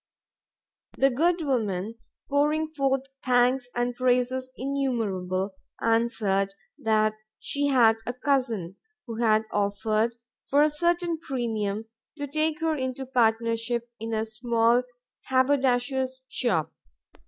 The good woman, pouring forth thanks and praises innumerable, answered that she had a Cousin, who had offered, for a certain premium, to take her into partnership in a small haberdasher's shop.